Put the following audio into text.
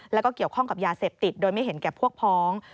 แล้วก็เกี่ยวข้องกับยาเสพติดโดยไม่เห็นแก่พวกพ้อง